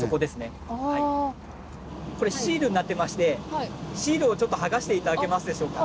これシールになってましてシールを剥がして頂けますでしょうか？